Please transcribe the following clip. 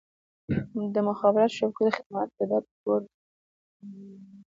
د مخابراتي شبکو خدمات د ډاډ وړ وي.